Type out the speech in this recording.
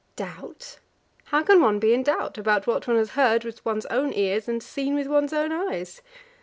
"Doubt? How can one be in doubt about what one has heard with one's own ears and seen with one's own eyes?"